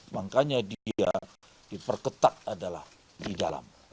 makanya dia diperketat adalah di dalam